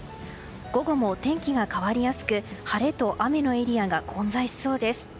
午後も天気が変わりやすく晴れと雨のエリアが混在しそうです。